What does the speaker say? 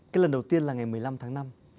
cái lần đầu tiên là ngày một mươi năm tháng năm